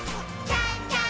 じゃんじゃん！